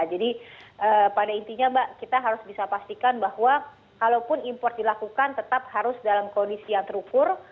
jadi pada intinya mbak kita harus bisa pastikan bahwa kalaupun import dilakukan tetap harus dalam kondisi yang terukur